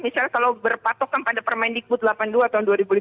misalnya kalau berpatokan pada permendikbud delapan puluh dua tahun dua ribu lima belas